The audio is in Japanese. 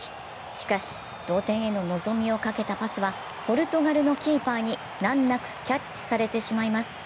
しかし、同点への望みをかけたパスはポルトガルのキーパーに難なくキャッチされてしまいます。